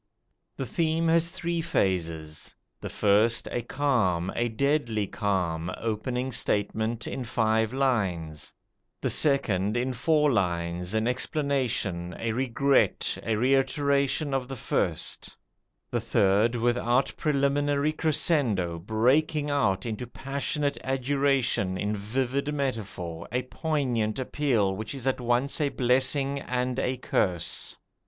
The theme has three phases: the first a calm, a deadly calm, opening statement in five lines; the second in four lines, an explanation, a regret, a reiteration of the first; the third, without preliminary crescendo, breaking out into passionate adjuration in vivid metaphor, a poignant appeal which is at once a blessing and a curse.